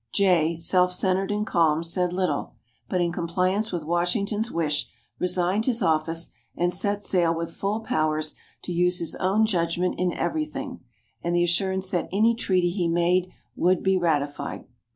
Jay, self centered and calm, said little; but in compliance with Washington's wish resigned his office, and set sail with full powers to use his own judgment in everything, and the assurance that any treaty he made would be ratified.